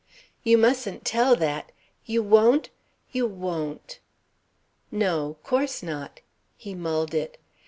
"You mustn't tell that! You won't? You won't!" "No. 'Course not." He mulled it.